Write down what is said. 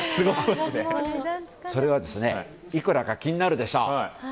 それはいくらか気になるでしょう。